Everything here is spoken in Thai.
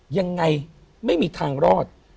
ยังไงไม่มีทางรอด